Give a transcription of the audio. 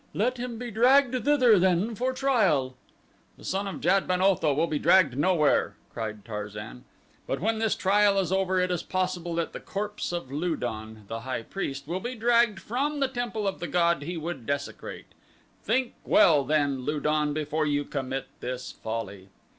Let him be dragged thither then for trial." "The son of Jad ben Otho will be dragged nowhere," cried Tarzan. "But when this trial is over it is possible that the corpse of Lu don, the high priest, will be dragged from the temple of the god he would desecrate. Think well, then, Lu don before you commit this folly."